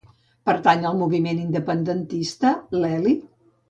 Pertany al moviment independentista l'Eli?